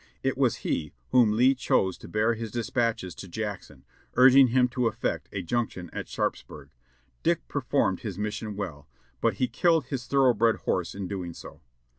It was he whom Lee chose to bear his dispatches to Jackson, urging him to effect a junction at Sharpsburg. Dick performed his mission well ; but he killed his thoroughbred horse in doing so.